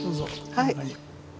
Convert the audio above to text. はい。